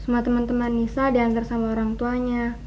sama teman teman nisa diantar sama orang tuanya